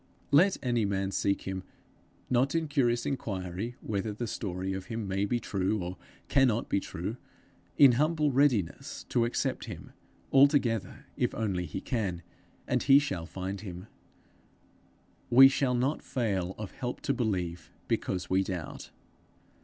Let any man seek him not in curious inquiry whether the story of him may be true or cannot be true in humble readiness to accept him altogether if only he can, and he shall find him; we shall not fail of help to believe because we doubt.